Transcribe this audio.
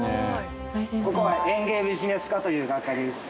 ここは園芸ビジネス科という学科です。